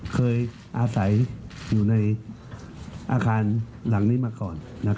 เคยอาศัยอยู่ในอาคารหลังนี้มาก่อน